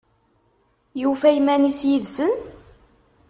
Yufa iman-is yid-sen?